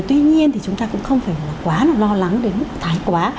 tuy nhiên thì chúng ta cũng không phải quá lo lắng đến mức thái quá